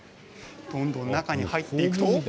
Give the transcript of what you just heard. どんどん中に入っていくと。